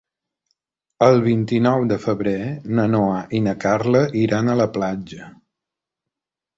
El vint-i-nou de febrer na Noa i na Carla iran a la platja.